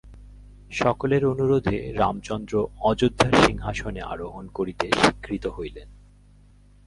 সকলের অনুরোধে রামচন্দ্র অযোধ্যার সিংহাসনে আরোহণ করিতে স্বীকৃত হইলেন।